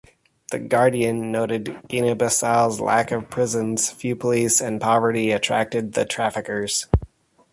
"The Guardian" noted Guinea-Bissau's lack of prisons, few police, and poverty attracted the traffickers.